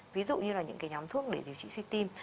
ví dụ như là những cái nhóm thuốc để điều trị suy tim